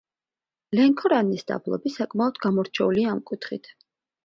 ლენქორანის დაბლობი საკმაოდ გამორჩეულია ამ კუთხით.